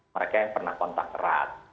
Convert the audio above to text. mereka yang pernah kontak erat